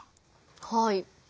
はい。